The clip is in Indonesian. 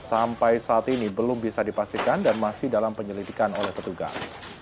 sampai saat ini belum bisa dipastikan dan masih dalam penyelidikan oleh petugas